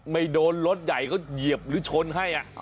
ไม่โดนรถใหญ่เขาเหยียบหรือชนให้